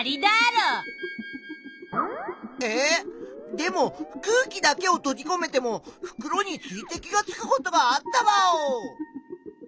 でも空気だけをとじこめても袋に水滴がつくことがあったワオ！